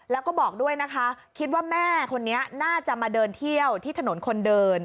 แล้วก็บอกด้วยนะคะคิดว่าแม่คนนี้น่าจะมาเดินเที่ยวที่ถนนคนเดิน